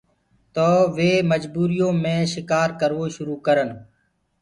تو وي مجبوٚر يو مي شڪآر ڪروو شروُ ڪرن۔